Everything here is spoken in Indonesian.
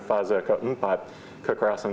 fase keempat kekerasan